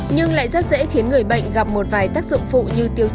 nhưng lại rất dễ khiến người bệnh gặp một vài chất lọc trong lúc uống sáng dây có thể giúp đỡ